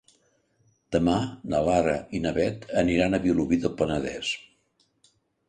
Demà na Lara i na Beth aniran a Vilobí del Penedès.